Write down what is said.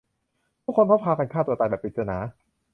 ผู้คนก็พากันฆ่าตัวตายแบบปริศนา